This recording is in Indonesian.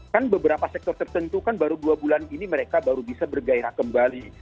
kan beberapa sektor tertentu kan baru dua bulan ini mereka baru bisa bergairah kembali